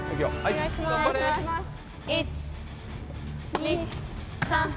お願いします！